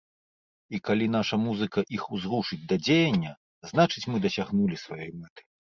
І калі наша музыка іх узрушыць да дзеяння, значыць мы дасягнулі сваёй мэты.